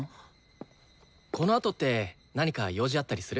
このあとって何か用事あったりする？